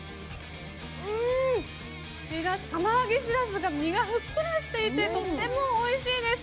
釜揚げしらすの身がふっくらしていてとてもおいしいです。